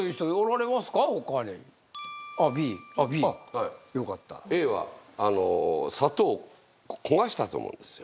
はいよかったＡは砂糖を焦がしたと思うんですよ